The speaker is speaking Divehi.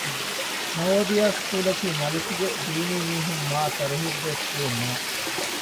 ނަވޯދިޔާ ސްކޫލަކީ މަލިކުގެ ދީނީމީހުން މާ ތަރުހީބުދޭ ސްކޫލެއް ނޫން